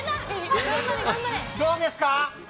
どうですか？